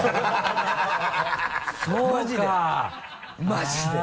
マジで！